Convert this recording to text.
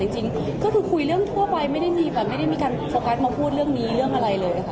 จริงก็คือคุยเรื่องทั่วไปไม่ได้มีแบบไม่ได้มีการโฟกัสมาพูดเรื่องนี้เรื่องอะไรเลยค่ะ